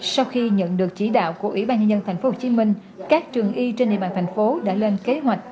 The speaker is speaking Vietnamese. sau khi nhận được chỉ đạo của ủy ban nhân dân tp hcm các trường y trên địa bàn thành phố đã lên kế hoạch